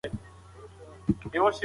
ټولنې تر اوسه سوله لیدلې ده.